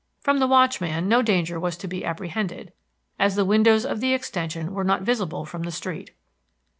From the watchman no danger was to be apprehended, as the windows of the extension were not visible from the street.